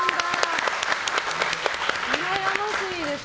うらやましいです。